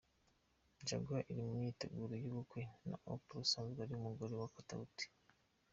Jaguar ari mu myiteguro y’ubukwe na Oprah usanzwe ari umugore wa Katauti.